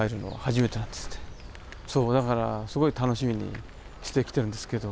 そうだからすごい楽しみにしてきてるんですけど。